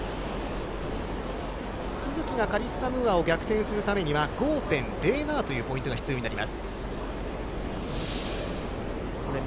都筑がカリッサ・ムーアを逆転するためには５．０７というポイントが必要になります。